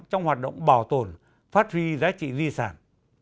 trong hoạt động bảo tồn phát huy giá trị di sản